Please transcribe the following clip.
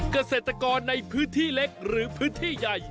เกษตรกรในพื้นที่เล็กหรือพื้นที่ใหญ่